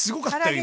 今。